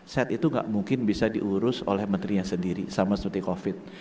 sehat itu tidak mungkin bisa diurus oleh menteri yang sendiri sama seperti covid